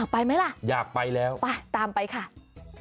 ไปไหมล่ะไปตามไปค่ะอยากไปแล้ว